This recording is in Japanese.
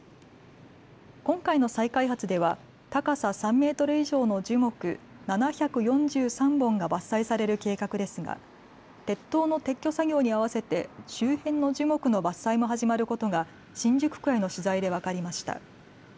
今回の再開発では高さ３メートル以上の樹木７４３本が伐採される計画ですが鉄塔の撤去作業に合わせて周辺の樹木の伐採も始まることが新宿区への取材で分かりました。